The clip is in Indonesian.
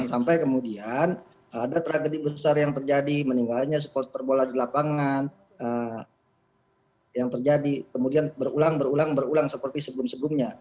sampai kemudian ada tragedi besar yang terjadi meninggalnya supporter bola di lapangan yang terjadi kemudian berulang ulang seperti sebelum sebelumnya